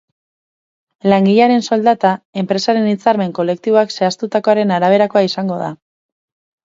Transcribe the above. Langilearen soldata, enpresaren hitzarmen kolektiboak zehaztutakoaren araberakoa izango da.